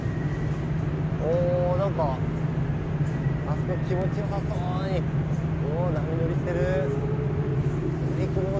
あ何かあそこ気持ちよさそうに波乗りしてる。